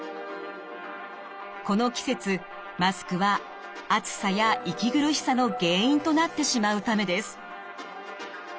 この季節マスクは暑さや息苦しさの原因となってしまうためです。